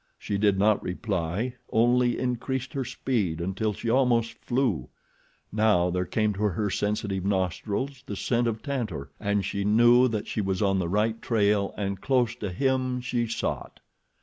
She did not reply, only increased her speed until she almost flew. Now there came to her sensitive nostrils the scent of Tantor and she knew that she was on the right trail and close to him she sought.